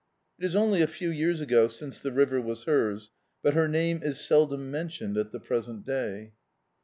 It is only a few years ago since the river was hers, but her name is seldom mentioned at the present day.